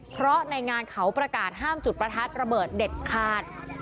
เพราะในงานเขาประกาศห้ามจุดประทัดระเบิดเด็ดขาด